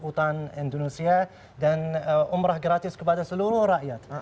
untuk seluruh rakyat indonesia dan umroh gratis kepada seluruh rakyat